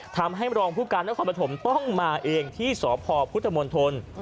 ทำให้รองผู้การและความประถมต้องมาเองที่สพพุทธมนตร์ธน